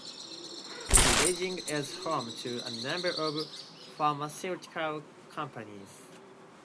This riding is home to a number of pharmaceutical companies.